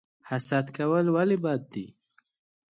حسد کول ولې بد دي؟